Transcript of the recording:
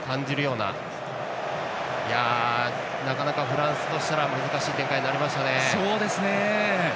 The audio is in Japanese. なかなかフランスとしたら難しい展開ですね。